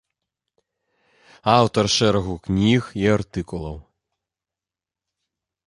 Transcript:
Аўтар шэрагу кніг і артыкулаў.